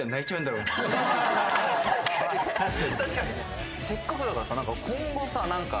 確かにね